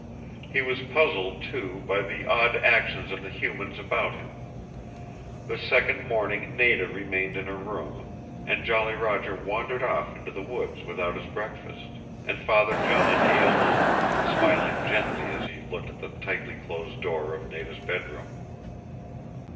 He was puzzled, too, by the odd actions of the humans about him. The second morning Nada remained in her room, and Jolly Roger wandered off into the woods without his breakfast, and Father John ate alone, smiling gently as he looked at the tightly closed door of Nada's bedroom.